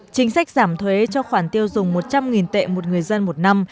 chính sách giảm thuế cho khoản tiêu dùng một trăm linh tệ một người dân một năm